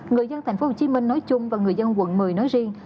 người dân tp hcm nói chung và người dân quận một mươi nói riêng